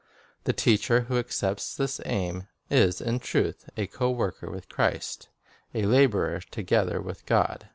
The teacher who accepts this aim is in truth a co worker with Christ, a laborer together with God.